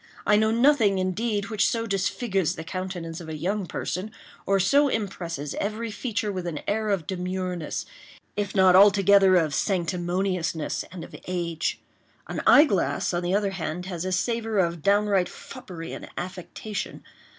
I know nothing, indeed, which so disfigures the countenance of a young person, or so impresses every feature with an air of demureness, if not altogether of sanctimoniousness and of age. An eyeglass, on the other hand, has a savor of downright foppery and affectation.